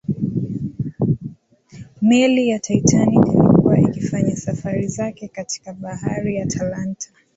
meli ya titanic ilikuwa ikifanya safari zake katika bahari ya atlantic